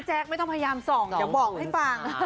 แจ๊กไม่ต้องพยายามส่องอย่าบอกให้ฟัง